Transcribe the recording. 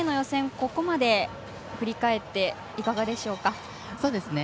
ここまで振り返っていかがでしょうか？